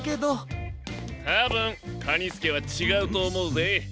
たぶんカニスケはちがうとおもうぜ。